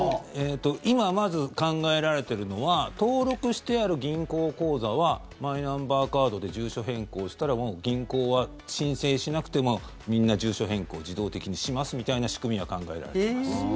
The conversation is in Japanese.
今、まず考えられてるのは登録してある銀行口座はマイナンバーカードで住所変更したらもう銀行は申請しなくてもみんな住所変更自動的にしますみたいな仕組みは考えられてます。